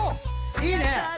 いいね！